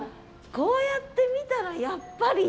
こうやって見たらやっぱり。